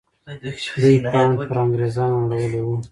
دوی پاڼ پر انګریزانو اړولی وو.